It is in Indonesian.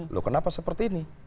loh kenapa seperti ini